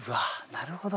なるほど。